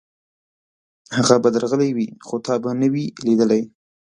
هغه به درغلی وي، خو تا به نه وي لېدلی.